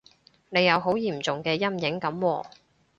你有好嚴重嘅陰影噉喎